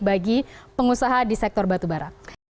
bagi pengusaha di sektor batubara